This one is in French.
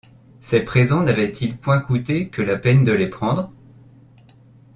Ces présents n’avaient-ils point coûté que la peine de les prendre?